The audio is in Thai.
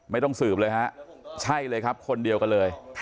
ไม่ต้องสืบเลยฮะใช่เลยครับคนเดียวกันเลย